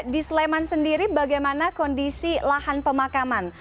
di sleman sendiri bagaimana kondisi lahan pemakaman